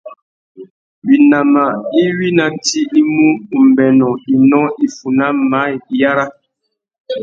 Winama iwí ná tsi i mú: umbênô, inó, iffuná, maye, iyara.